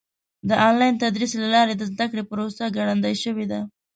د آنلاین تدریس له لارې د زده کړې پروسه ګړندۍ شوې ده.